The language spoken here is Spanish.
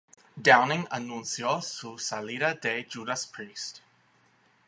Downing anunció su salida de Judas Priest.